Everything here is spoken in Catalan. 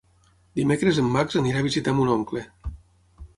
Dimecres en Max anirà a visitar mon oncle.